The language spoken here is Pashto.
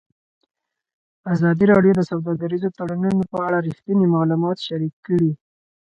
ازادي راډیو د سوداګریز تړونونه په اړه رښتیني معلومات شریک کړي.